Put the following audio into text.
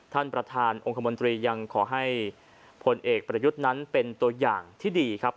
ท่านประธานองค์คมนตรียังขอให้พลเอกประยุทธ์นั้นเป็นตัวอย่างที่ดีครับ